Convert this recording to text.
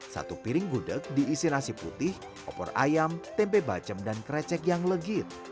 satu piring gudeg diisi nasi putih opor ayam tempe bacem dan krecek yang legit